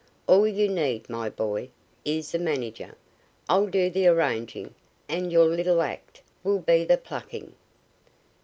All you need, my boy, is a manager. I'll do the arranging, and your little act will be the plucking."